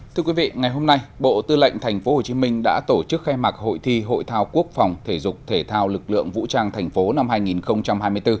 thưa quý vị ngày hôm nay bộ tư lệnh tp hcm đã tổ chức khai mạc hội thi hội thao quốc phòng thể dục thể thao lực lượng vũ trang tp năm hai nghìn hai mươi bốn